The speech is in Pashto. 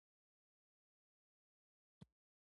د بدن درد لپاره د کوم شي تېل وکاروم؟